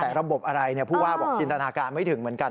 แต่ระบบอะไรผู้ว่าบอกจินตนาการไม่ถึงเหมือนกัน